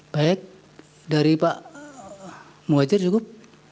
baik dari pak muhajir cukup